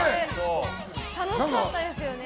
楽しかったですよね。